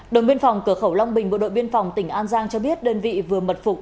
đồng biên phòng cửa khẩu long bình bộ đội biên phòng tỉnh an giang cho biết đơn vị vừa mật phục